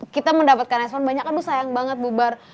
kita mendapatkan respon banyak aduh sayang banget bubar